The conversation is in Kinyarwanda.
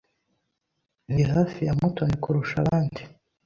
Ndi hafi ya Mutoni kurusha abandi.